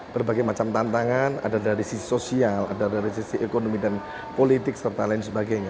berbagai macam tantangan ada dari sisi sosial ada dari sisi ekonomi dan politik serta lain sebagainya